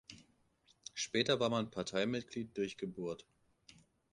Später war man Parteimitglied durch Geburt.